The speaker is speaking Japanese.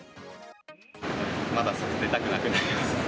まだ外に出たくなくなりますね。